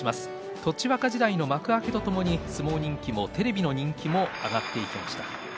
栃若時代の幕開けとともに相撲人気もテレビの人気も上がっていきました。